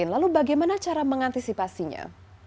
lalu bagaimana cara mengantisipasinya